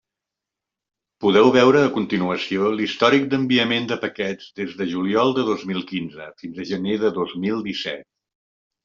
Podeu veure a continuació l'històric d'enviament de paquets des de juliol de dos mil quinze fins a gener de dos mil disset.